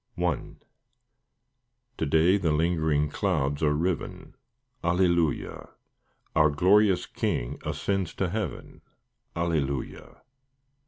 I To day the lingering clouds are riven, Alleluia! Our glorious King ascends to heaven, Alleluia!